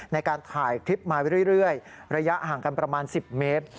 ในการถ่ายคลิปมาเรื่อยระยะห่างกันประมาณ๑๐เมตร